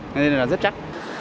nên là rất chắc